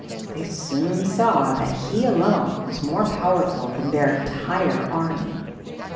They soon saw that he alone was more powerful than their entire army.